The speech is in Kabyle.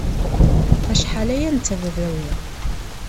Acḥal aya netta d adawi.